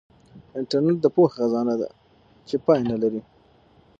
انټرنیټ د پوهې خزانه ده چې پای نه لري.